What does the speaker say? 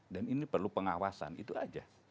dan ini perlu pengawasan itu aja